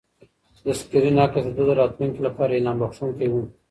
د سکرین عکس د ده د راتلونکي لپاره الهام بښونکی و.